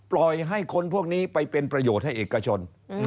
ปล่อยให้คนพวกนี้ไปเป็นประโยชน์ให้เอกชน